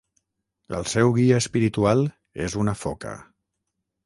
El seu guia espiritual és una foca.